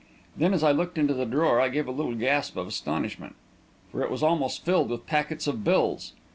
Then, as I looked into the drawer, I gave a little gasp of astonishment, for it was almost filled with packets of bills.